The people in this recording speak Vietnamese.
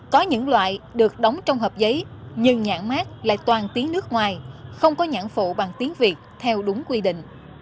có những loại được đóng trong hợp giấy nhưng nhãn mát lại toàn tiếng nước ngoài không có nhãn phụ bằng tiếng việt theo đúng quy định